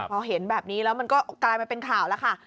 พอเห็นแบบนี้แล้วมันก็กลายมาเป็นข่าวแล้วค่ะ